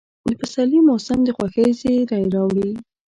د پسرلي موسم د خوښۍ زېرى راوړي.